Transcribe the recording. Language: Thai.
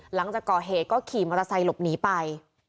หลังจากก่อเหตุก็ขี่มอเตอร์ไซค์หลบหนีไป